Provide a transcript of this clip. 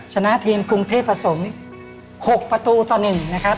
ชนะทีมกรุงเทพศม๖ประตูตอนหนึ่งนะครับ